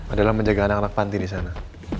adalah menjaga anak anak panti di sana